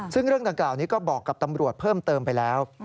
ซึ่งเรื่องดังกล่าวนี้ก็บอกกับตำรวจเพิ่มเติมไปแล้ว